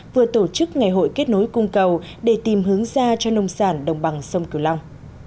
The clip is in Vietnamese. vừa tổ chức ngày hội kết nối cung cầu để tìm hướng ra cho nông sản đồng bằng sông cửu long